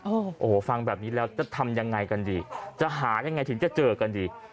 โอ้โหฟังแบบนี้แล้วจะทำยังไงกันดีจะหายังไงถึงจะเจอกันดี